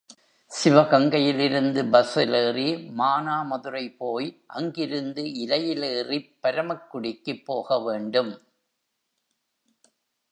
சிவகங்கையிலிருந்து பஸ்ஸிலேறி மானாமதுரை போய் அங்கிருந்து இரயிலேறிப் பரமக்குடிக்குப் போக வேண்டும்.